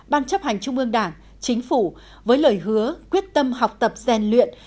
ban chấp hành trung ương đảng chính phủ với lời hứa quyết tâm học tập rèn luyện